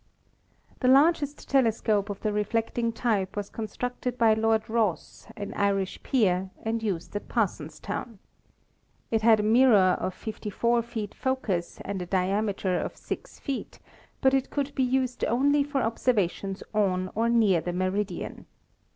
The largest telescope of the reflecting type was con structed by Lord Rosse, an Irish peer, and used at Par sonstown. It had mirror of 54 feet focus and a diameter of 6 feet, but it could be used only for observations on or near the meridian.